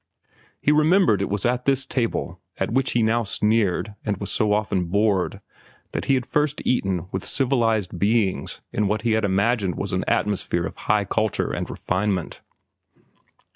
He remembered it was at this table, at which he now sneered and was so often bored, that he had first eaten with civilized beings in what he had imagined was an atmosphere of high culture and refinement.